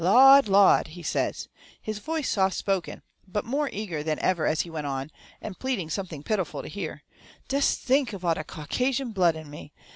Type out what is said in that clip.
Lawd! Lawd!" he says, his voice soft spoken, but more eager than ever as he went on, and pleading something pitiful to hear, "des think of all de Caucasian blood in me!